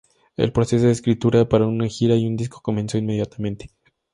El proceso de escritura para una gira y un disco comenzó inmediatamente.